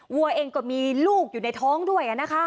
วัวเองก็มีลูกอยู่ในท้องด้วยนะคะ